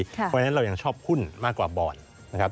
เพราะฉะนั้นเรายังชอบหุ้นมากกว่าบอลนะครับ